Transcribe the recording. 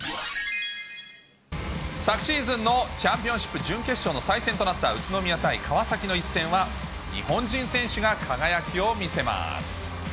昨シーズンのチャンピオンシップ準決勝の再戦となった宇都宮対川崎の一戦は、日本人選手が輝きを見せます。